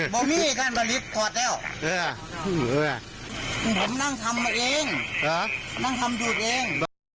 ผมนี่การผลิตถอดแล้วผมนั่งทำเองนั่งทำดูดเอง